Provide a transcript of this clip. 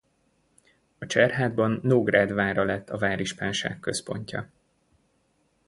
A Cserhátban Nógrád vára lett a várispánság központja.